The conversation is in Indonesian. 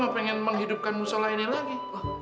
pengen menghidupkan musola ini lagi